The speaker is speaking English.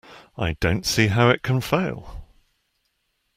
I don't see how it can fail.